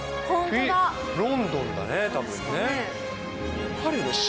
ロンドンだね、たぶんね。